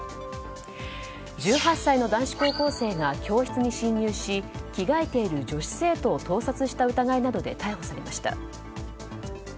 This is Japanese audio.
１８歳の男子高校生が教室に侵入し着替えている女子生徒を盗撮した疑いなどで逮捕されました。